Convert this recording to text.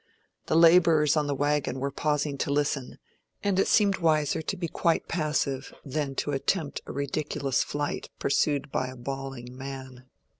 The laborers on the wagon were pausing to listen, and it seemed wiser to be quite passive than to attempt a ridiculous flight pursued by a bawling man.